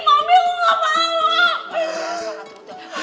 mami aku gak mau